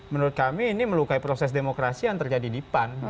menurut kami ini melukai proses demokrasi yang terjadi di pan